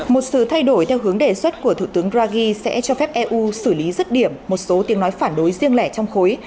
một sự thay đổi theo hướng đề xuất của thủ tướng ragi sẽ cho phép eu xử lý rứt điểm một số tiếng nói phản đối riêng lẻ trong khối